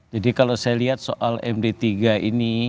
jadi kalau saya lihat soal md tiga ini